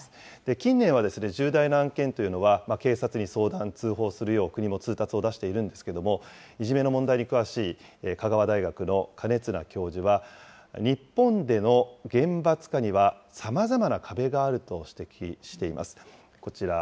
近年は重大な案件というのは警察に相談・通報するよう国も通達を出しているんですけれども、いじめの問題に詳しい、香川大学の金綱教授は、日本での厳罰化には、さまざまな壁があると指摘しています。